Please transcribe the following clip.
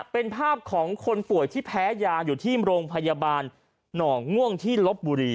เป็นภาพของคนป่วยที่แพ้ยาอยู่ที่โรงพยาบาลหนองง่วงที่ลบบุรี